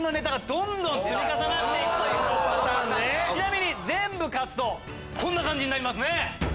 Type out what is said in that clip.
ちなみに全部勝つとこんな感じになりますね。